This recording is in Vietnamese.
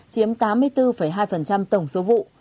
chiếm tám mươi bốn hai tổng số vụ